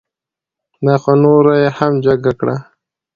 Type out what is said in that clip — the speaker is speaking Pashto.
دا خو نوره یې هم جگه کړه.